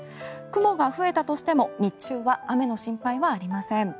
雲が増えたとしても日中は雨の心配はありません。